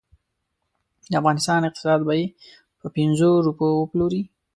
د افغانستان اقتصاد به یې په پنځو روپو وپلوري.